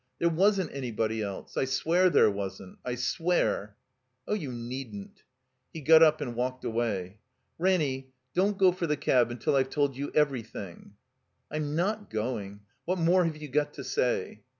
There wasn't anybody else. I swear there wasn't — ^I swear." "Oh, you needn't." He got up and walked away. *'Ranny — don't go for the cab tmtil I've told you everything." I'm not going. What more have you gpt to say?"